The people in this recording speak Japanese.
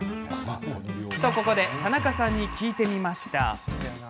ここで田中さんに聞いてみました。